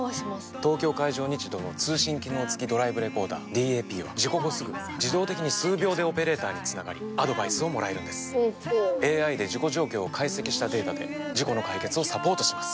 東京海上日動の通信機能付きドライブレコーダーＤＡＰは事故後すぐ自動的に数秒でオペレーターにつながりアドバイスをもらえるんですＡＩで事故状況を解析したデータで事故の解決をサポートします